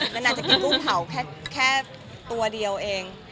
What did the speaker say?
มันอาจจะกินกุ้งเผาแค่ตัวเดียวเอง